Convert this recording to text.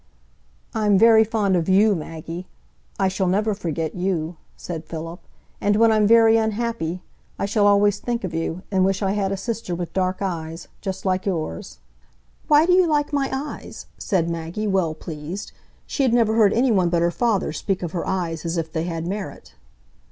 "I'm very fond of you, Maggie; I shall never forget you," said Philip, "and when I'm very unhappy, I shall always think of you, and wish I had a sister with dark eyes, just like yours." "Why do you like my eyes?" said Maggie, well pleased. She had never heard any one but her father speak of her eyes as if they had merit.